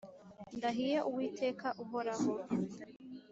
Ndahiye Uwiteka uhoraho